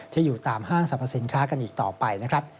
อยู่ตามห้างสรรพสินค้ากันอีกต่อไปนะครับ